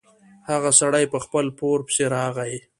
هغه سړی په خپل پور پسې راغی.